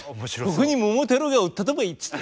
「ここに桃太郎がおったとばい」っつって。